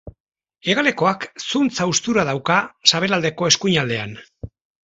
Hegalekoak zuntz-haustura dauka sabelaldeko eskuinaldean.